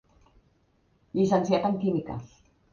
Llicenciat en Químiques.